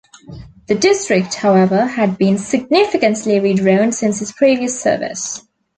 The district, however, had been significantly redrawn since his previous service.